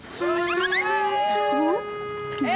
satu dua tiga